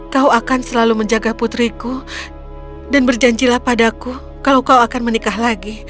kau akan selalu menjaga putriku dan berjanjilah padaku kalau kau akan menikah lagi